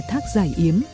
thác giải yếm